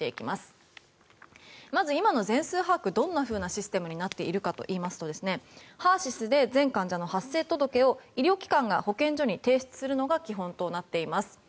まず今の全数把握どんなふうなシステムになっているかというとＨＥＲ‐ＳＹＳで全患者の発生届を医療機関が保健所に提出するのが基本となっています。